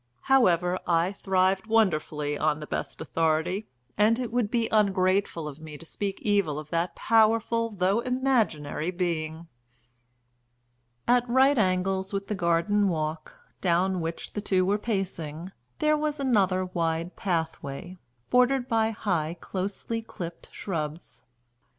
However, I thrived wonderfully on the best authority, and it would be ungrateful of me to speak evil of that powerful though imaginary being. At right angles with the garden walk down which the two were pacing there was another wide pathway, bordered by high closely clipped shrubs.